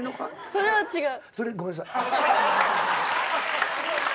それは違う。